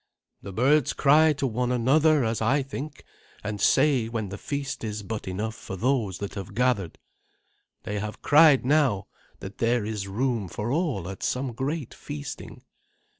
"The birds cry to one another, as I think, and say when the feast is but enough for those that have gathered. They have cried now that there is room for all at some great feasting.